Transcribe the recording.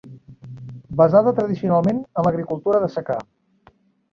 Basada tradicionalment en l'agricultura de secà.